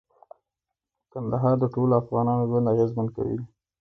کندهار د ټولو افغانانو ژوند اغېزمن کوي.